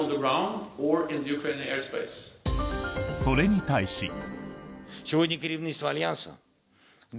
それに対し。